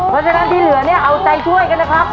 เพราะฉะนั้นที่เหลือเนี่ยเอาใจช่วยกันนะครับ